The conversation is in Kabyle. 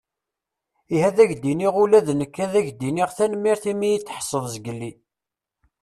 Ihi ad ak-d-iniɣ ula d nekk ad ak-d-iniɣ tanmirt imi iyi-d-tḥesseḍ zgelli.